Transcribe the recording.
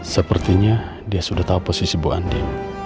sepertinya dia sudah tahu posisimu andi